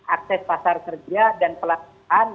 akses pasar kerja dan pelaksanaan